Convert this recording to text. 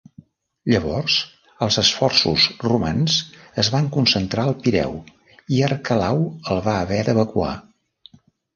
Llavors els esforços romans es van concentrar al Pireu i Arquelau el va haver d'evacuar.